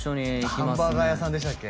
ハンバーガー屋さんでしたっけ？